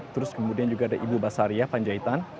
terus kemudian juga ada ibu basaria panjaitan